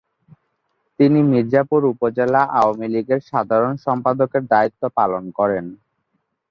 তিনি মির্জাপুর উপজেলা আওয়ামী লীগের সাধারণ সম্পাদকের দায়িত্ব পালন করেন।